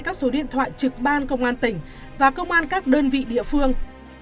các số điện thoại trực ban công an tỉnh và công an các đơn vị địa phương